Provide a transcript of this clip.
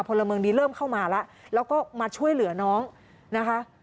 พลเมืองดีเริ่มเข้ามาแล้วแล้วก็มาช่วยเหลือน้องนะคะ